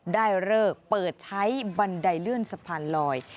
ได้เลิกเปิดใช้บันไดเลื่อนสะพานลอย